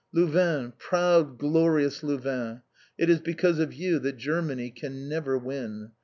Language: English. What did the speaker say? Louvain, proud glorious Louvain, it is because of you that Germany can never win.